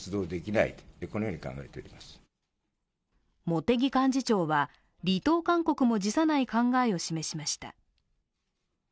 茂木幹事長は離党勧告も辞さない考えを示しました。